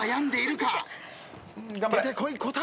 出てこい答え！